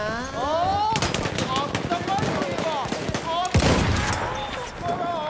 「あったかい」といえば「あったかいんだからぁ」だね。